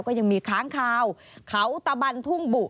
ก็ยังมีค้างคาวเขาตะบันทุ่งบุ